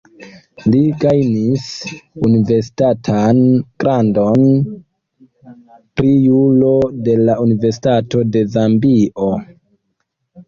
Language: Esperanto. Li gajnis universitatan gradon pri juro de la Universitato de Zambio.